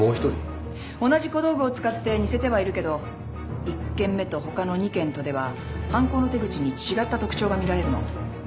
同じ小道具を使って似せてはいるけど１件目とほかの２件とでは犯行の手口に違った特徴が見られるの。